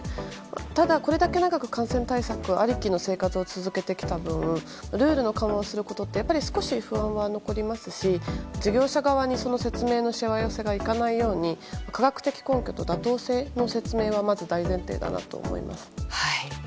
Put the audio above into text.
ただ、これだけ長く感染対策ありきの生活を続けてきた分ルールを緩和することはやっぱり少し不安は残りますし事業者側にその説明のしわ寄せがいかないように科学的根拠と妥当性の説明は大前提だと思います。